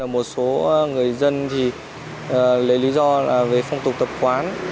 một số người dân lấy lý do về phong tục tập quán